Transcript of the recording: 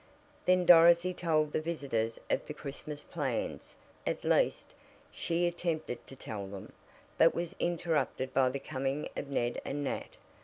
Then Dorothy told the visitors of the Christmas plans at least, she attempted to tell them, but was interrupted by the coming of Ned and Nat.